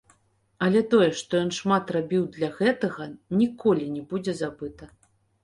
Але тое, што ён шмат рабіў для гэтага, ніколі не будзе забыта.